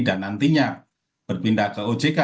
dan nantinya berpindah ke ojk